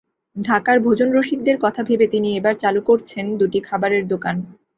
ঢাকার ভোজনরসিকদের কথা ভেবে তিনি এবার চালু করছেন দুটি খাবারের দোকান।